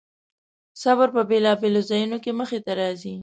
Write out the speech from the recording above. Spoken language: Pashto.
صبر په بېلابېلو ځایونو کې مخې ته راځي.